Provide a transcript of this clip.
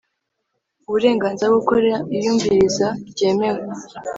Uburenganzira bwo gukora iyumviriza ryemewe